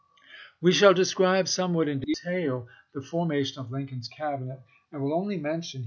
We shall describe somewhat in detail the forma tion of Lincoln's Cabinet, and will only mention i860.